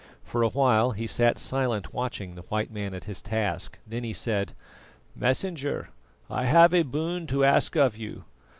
For a while he sat silent watching the white man at his task, then he said: "Messenger, I have a boon to ask of you.